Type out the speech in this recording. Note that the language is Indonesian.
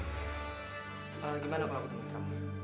gimana kalau aku temui kamu